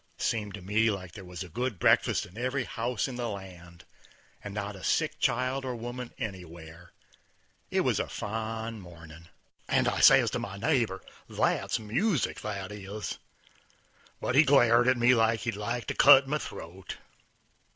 Seemed to me like there was a good breakfast in every house in the land, and not a sick child or woman anywhere. It was a fine mornin'. And I says to my neighbor, "That's music, that is." But he glared at me like he'd like to cut my throat.